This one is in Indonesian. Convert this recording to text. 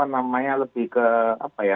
namanya lebih ke apa ya